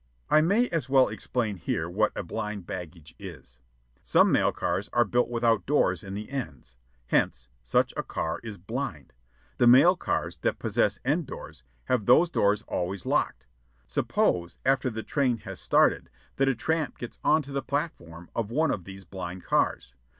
I may as well explain here what a blind baggage is. Some mail cars are built without doors in the ends; hence, such a car is "blind." The mail cars that possess end doors, have those doors always locked. Suppose, after the train has started, that a tramp gets on to the platform of one of these blind cars.